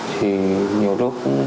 thì nhiều lúc